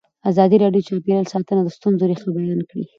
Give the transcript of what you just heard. ازادي راډیو د چاپیریال ساتنه د ستونزو رېښه بیان کړې.